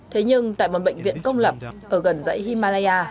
thế nhưng tại một bệnh viện công lập ở gần dãy himalaya